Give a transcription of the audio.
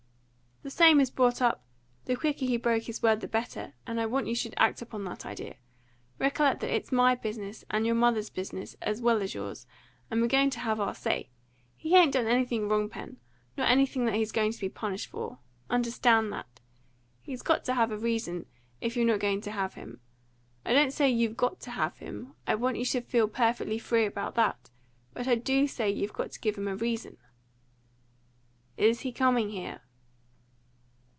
"The same as brought up the quicker he broke his word the better; and I want you should act upon that idea. Recollect that it's my business, and your mother's business, as well as yours, and we're going to have our say. He hain't done anything wrong, Pen, nor anything that he's going to be punished for. Understand that. He's got to have a reason, if you're not going to have him. I don't say you've got to have him; I want you should feel perfectly free about that; but I DO say you've got to give him a reason." "Is he coming here?"